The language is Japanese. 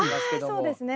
ああそうですね。